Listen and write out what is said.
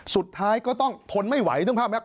สุดท้ายก็ต้องทนไม่ไหวถึงภาพมั้ยครับ